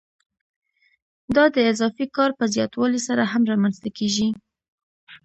دا د اضافي کار په زیاتوالي سره هم رامنځته کېږي